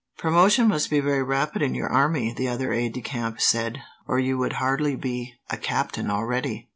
"Promotion must be very rapid in your army," the other aide de camp said, "or you would hardly be a captain already."